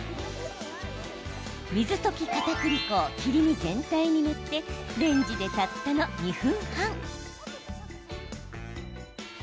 水溶きかたくり粉を切り身全体に塗ってレンジでたったの２分半。